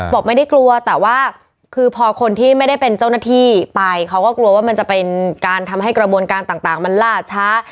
บอกไม่ได้กลัวแต่ว่าคือพอคนที่ไม่ได้เป็นเจ้าหน้าที่ไปเขาก็กลัวว่ามันจะเป็นการทำให้กระบวนการต่างมันล่าช้า